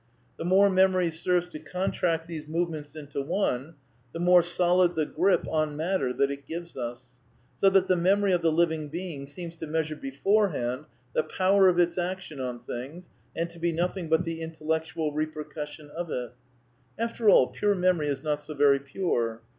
" The more memory serves to contract these movements into one, the more solid the grip on matter that it gives us ; so that the memory of the living being seems to measure beforehand the power of its action on things and to be nothing but the intellectual repercus sion of it." (Pages 254 255.) After all, pure memory is not so very pure.